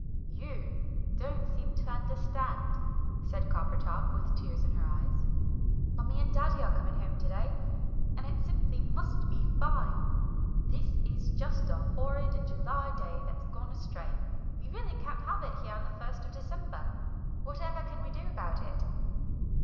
"You don't seem to understand," said Coppertop, with tears in her eyes. "Mummie and Daddy are coming home to day, and it simply must be fine. This is just a horrid July day that's gone astray! We really can't have it here on the first of December. Whatever can we do about it?"